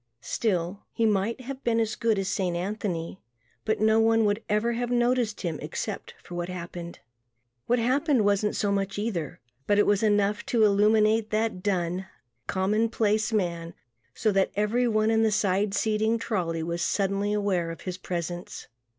Still, he might have been as good as Saint Anthony but no one would ever have noticed him except for what happened. What happened wasn't so much either but it was enough to illumine that dun, common place man so that everyone in the side seating trolley was suddenly aware of his presence.